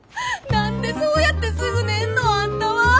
何でそうやってすぐ寝んのあんたは！